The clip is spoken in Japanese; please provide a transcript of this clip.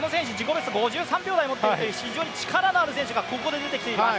ベスト５３秒台持っている非常に力のある選手がここで出てきています。